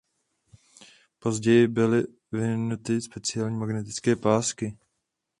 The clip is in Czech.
Později byly vyvinuty speciální magnetické pásky.